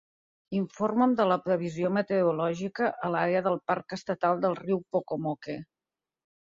Informa'm de la previsió meteorològica a l'àrea del parc estatal del riu Pocomoke.